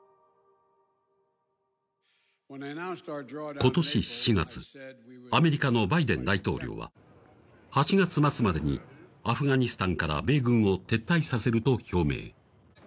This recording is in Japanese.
今年７月、アメリカのバイデン大統領は８月末までにアフガニスタンから米軍を撤退させると表明。